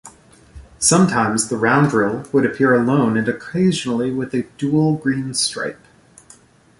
Sometimes the roundel would appear alone and occasionally with a dual green stripe.